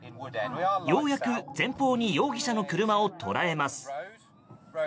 ようやく、前方に容疑者の車を捉えます。